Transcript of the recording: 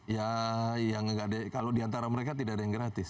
iya kalau diantara mereka tidak ada yang gratis